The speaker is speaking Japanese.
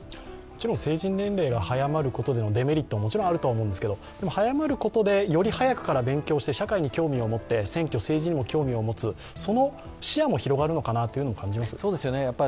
もちろん成人年齢が早まることでのデメリットはあると思うんですけど、早まることでより早くから勉強して社会に興味を持って選挙、政治にも興味を持つ、その視野も広がるのかなと思います。